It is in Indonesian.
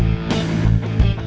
saya akan menemukan mereka